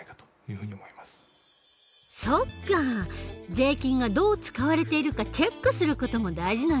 税金がどう使われているかチェックする事も大事なんだね。